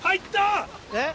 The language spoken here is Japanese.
えっ？